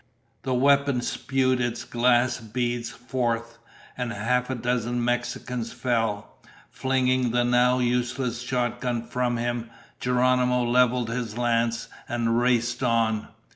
The weapon spewed its glass beads forth, and half a dozen Mexicans fell. Flinging the now useless shotgun from him, Geronimo leveled his lance and raced on.